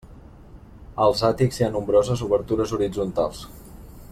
Als àtics hi ha nombroses obertures horitzontals.